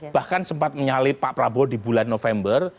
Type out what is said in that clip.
bahkan sempat menyalip pak prabowo di bulan november